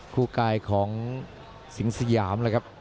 คู่กายของสิงสยามเลยครับ